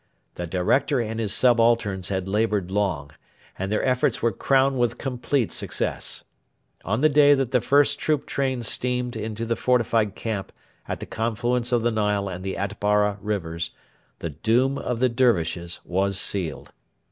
The director and his subalterns had laboured long, and their efforts were crowned with complete success. On the day that the first troop train steamed into the fortified camp at the confluence of the Nile and the Atbara rivers the doom of the Dervishes was sealed.